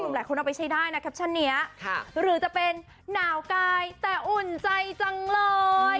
หลายคนเอาไปใช้ได้นะแคปชั่นนี้หรือจะเป็นหนาวกายแต่อุ่นใจจังเลย